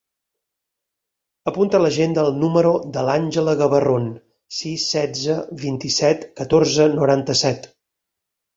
Apunta a l'agenda el número de l'Àngela Gabarron: sis, setze, vint-i-set, catorze, noranta-set.